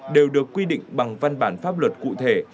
đều được quy định bằng văn bản pháp luật cụ thể